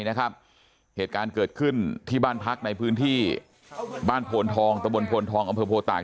เหตุการณ์เกิดขึ้นที่บ้านพักในพื้นที่บ้านโพนทองตะบนโพนทองอำเภอโพตาก